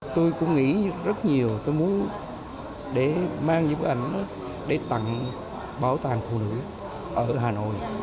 tôi cũng nghĩ rất nhiều tôi muốn để mang những bức ảnh đó để tặng bảo tàng phụ nữ ở hà nội